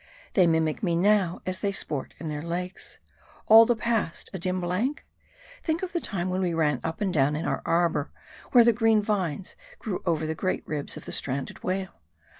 They mimic me now as they sport in their lakes. All the past a dim blank ? Think of the time when we ran up and down in our arbor, where the green vines grew over the great ribs of the stranded whale.